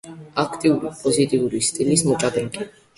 აქტიური, პოზიციური სტილის მოჭადრაკე.